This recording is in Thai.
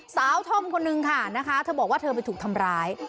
ธอมคนนึงค่ะนะคะเธอบอกว่าเธอไปถูกทำร้าย